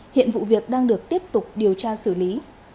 hiện vụ việc đang được tiếp tục điều tra xử lý